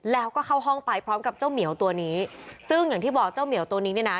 แล้วก็เข้าห้องไปพร้อมกับเจ้าเหมียวตัวนี้ซึ่งอย่างที่บอกเจ้าเหมียวตัวนี้เนี่ยนะ